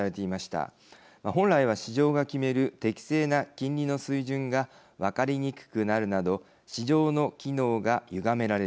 本来は市場が決める適正な金利の水準が分かりにくくなるなど市場の機能がゆがめられる。